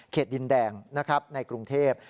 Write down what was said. เขตดินแดงในกรุงเทพฯ